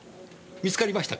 見つかりましたか。